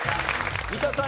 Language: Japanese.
三田さん